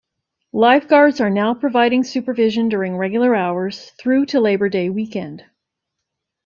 Lifeguards are now providing supervision during regular hours through to Labour Day weekend.